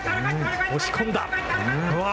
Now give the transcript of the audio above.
押し込んだ。